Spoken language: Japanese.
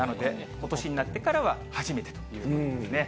ことしになってからは初めてということですね。